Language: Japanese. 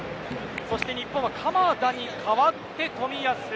そして日本は鎌田に代わって冨安。